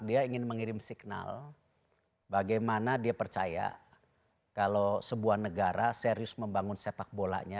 dia ingin mengirim signal bagaimana dia percaya kalau sebuah negara serius membangun sepak bolanya